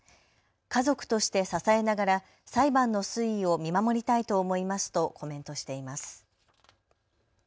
家族として支えながら裁判の推移を見守りたいと思いますとコメントしています。